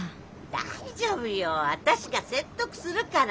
大丈夫よ私が説得するから。